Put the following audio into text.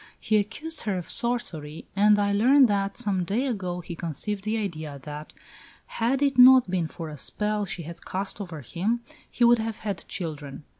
He accused her of sorcery, and I learn that, some days ago, he conceived the idea that, had it not been for a spell she had cast over him, he would have had children....